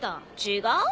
違う？